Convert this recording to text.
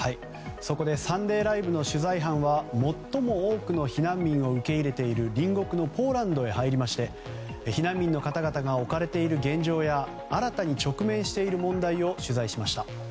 そこで「サンデーＬＩＶＥ！！」の取材班は最も多くの避難民を受け入れている隣国のポーランドへ入りまして避難民の方々が置かれている現状や新たに直面している問題を取材しました。